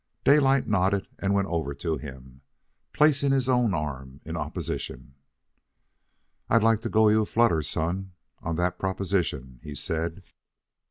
Daylight nodded and went over to him, placing his own arm in opposition. "I'd like to go you a flutter, son, on that proposition," he said.